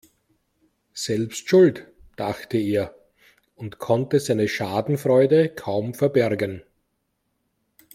Selbst schuld, dachte er und konnte seine Schadenfreude kaum verbergen.